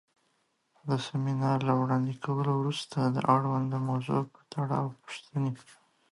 د سمینار له وړاندې کولو وروسته د اړونده موضوع پۀ تړاؤ پوښتنې